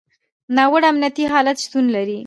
ناوړه امنیتي حالت شتون لري.